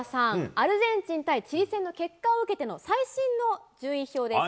アルゼンチン対チリ戦の結果を受けての最新の順位表です。